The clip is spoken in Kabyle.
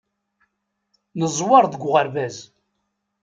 Neẓwer deg uɣerbaz.